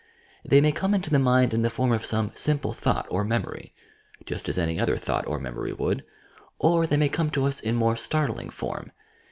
They may come into the mind in the form of some simple thought or memory, just as any other thought or memory would; or, they may come to us in more startling form.